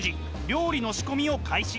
料理の仕込みを開始。